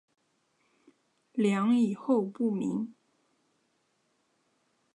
梁以后不明。